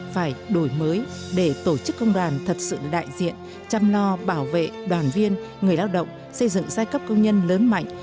phải đổi mới để tổ chức công đoàn thật sự đại diện chăm lo bảo vệ đoàn viên người lao động xây dựng giai cấp công nhân lớn mạnh